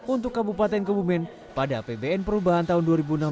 untuk kabupaten kebumen pada apbn perubahan tahun dua ribu enam belas